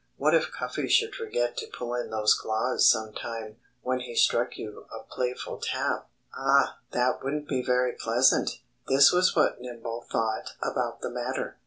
What if Cuffy should forget to pull in those claws sometime, when he struck you a playful tap? Ah! That wouldn't be very pleasant! This was what Nimble thought about the matter.